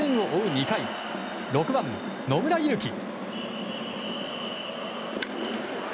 ２回６番、野村佑希。